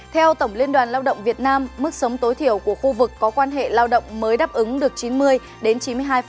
theo tổng liên đoàn lao động việt nam mức sống tối thiểu của khu vực có quan hệ lao động mới đáp ứng được chín mươi đến chín mươi hai